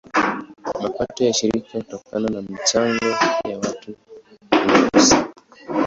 Mapato ya shirika hutokana na michango ya watu binafsi.